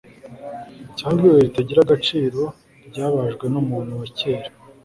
cyangwa ibuye ritagira agaciro ryabajwe n'umuntu wa kera